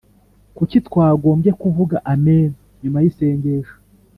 Kuki twagombye kuvuga amen nyuma y isengesho